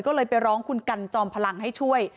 ก็เลยไปร้องคุณกันจอมพลังให้ช่วย